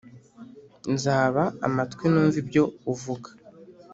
nzaba amatwi numve ibyo uvuga